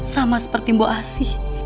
sama seperti mbak asih